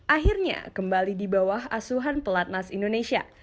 akhirnya kembali di bawah asuhan pelatnas indonesia